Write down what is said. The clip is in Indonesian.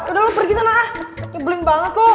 yaudah lu pergi sana ah nyebelin banget lu